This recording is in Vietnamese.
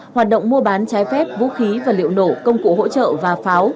hoạt động mua bán trái phép vũ khí và liệu nổ công cụ hỗ trợ và pháo